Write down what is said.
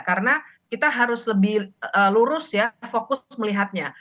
karena kita harus lebih lurus ya fokus melihatnya